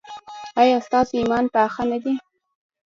ایا ستاسو ایمان پاخه نه دی؟